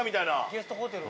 ゲストホテル。